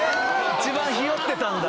一番日和ってたんだ！